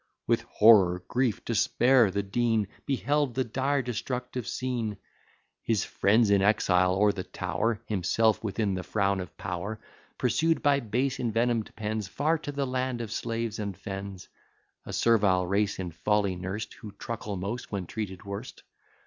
With horror, grief, despair, the Dean Beheld the dire destructive scene: His friends in exile, or the tower, Himself within the frown of power, Pursued by base envenom'd pens, Far to the land of slaves and fens; A servile race in folly nursed, Who truckle most, when treated worst.